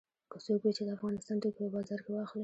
که څوک وي چې د افغانستان توکي په بازار کې واخلي.